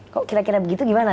kok kira kira begitu gimana